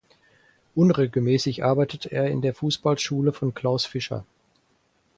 Unregelmäßig arbeitet er in der Fußballschule von Klaus Fischer.